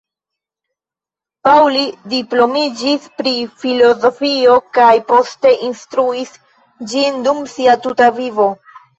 Pauli diplomiĝis pri filozofio kaj poste instruis ĝin dum sia tuta vivo.